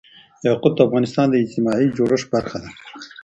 یاقوت د افغانستان د اجتماعي جوړښت برخه ده.